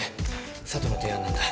佐都の提案なんだ。